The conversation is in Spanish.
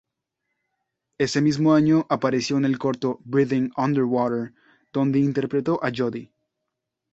Ese mismo año apareció en el corto "Breathing Underwater" donde interpretó a Jodie.